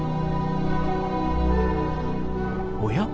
おや？